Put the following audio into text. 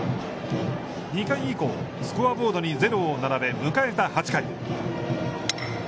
２回以降、スコアボードに０を並べ、迎えた８回。